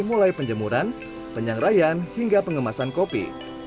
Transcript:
mulai penjemuran penyangraian hingga pengemasan kopi